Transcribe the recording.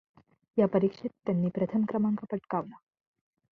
या परीक्षेत त्यांनी प्रथम क्रमांक पटकावला.